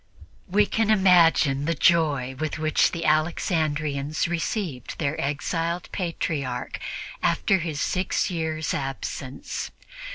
We can imagine the joy with which the Alexandrians received their exiled Patriarch after his six years' absence.